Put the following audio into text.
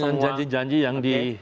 itu janji janji yang di